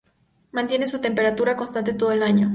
Mantiene su temperatura constante todo el año.